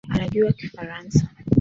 Anajua kifaransa